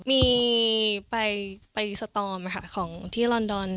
มีไปสตอมค่ะของที่ลอนดอน